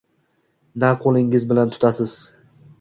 Na qo’lingiz bilan tutasiz.